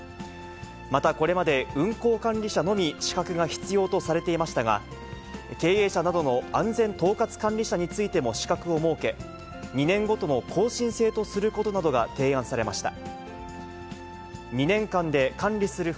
また、これまで運航管理者のみ資格が必要とされていましたが、経営者などの安全統括管理者についても資格を設け、２年ごとの更新制とすることなどが提案されました。